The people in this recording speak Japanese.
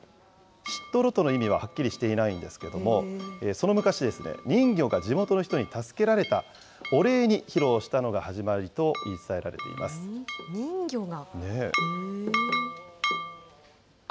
シットロトの意味ははっきりしていないんですけれども、その昔、人魚が地元の人に助けられたお礼に披露したのが始まりと人魚が？